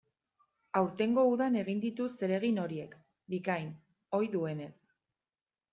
Aurtengo udan egin ditu zeregin horiek, bikain, ohi duenez.